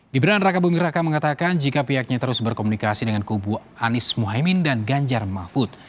gibran raka bumiraka mengatakan jika pihaknya terus berkomunikasi dengan kubu anis muhaimin dan ganjar mahfud